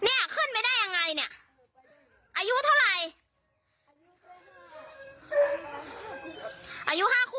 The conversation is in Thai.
โอ้โห๘๐แล้วนะย่า